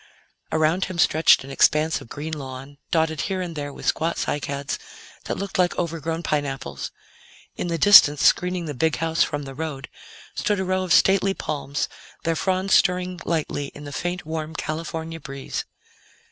Around him stretched an expanse of green lawn, dotted here and there with squat cycads that looked like overgrown pineapples; in the distance, screening the big house from the road, stood a row of stately palms, their fronds stirring lightly in the faint, warm California breeze.